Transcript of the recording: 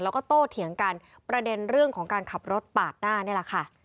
แล้วก็โตเถียงกันประเด็นเรื่องของการขับรถปาดหน้านี่แหละค่ะ